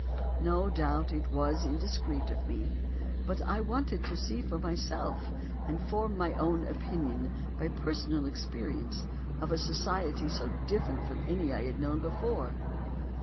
"No doubt it was indiscreet of me, but I wanted to see for myself, and form my own opinion by personal experience of a society so different from any I had known before."